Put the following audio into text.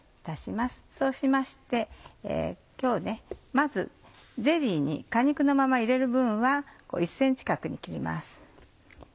そうしましてまずゼリーに果肉のまま入れる分は１ｃｍ角に切ります。